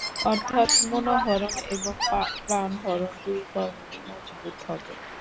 অর্থাৎ, মনোহরণ এবং প্রাণহরণ দুই কর্মেই মজবুত হবে।